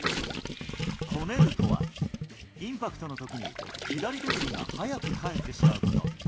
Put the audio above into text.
こねるとは、インパクトのときに、左手首が早く返ってしまうこと。